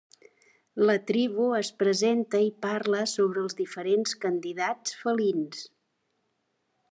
La tribu es presenta i parla sobre els diferents candidats felins.